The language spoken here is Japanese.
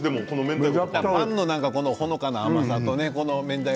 パンのほのかな甘さとめんたい